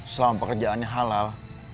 selama pekerjaannya halal